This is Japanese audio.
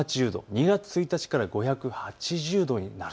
２月１日から５８０度になる。